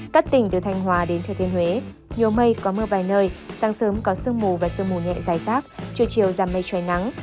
các tỉnh từ thanh hòa đến thừa thiên huế nhiều mây có mưa vài nơi sáng sớm có sương mù và sương mù nhẹ dài rác trưa chiều giảm mây trời nắng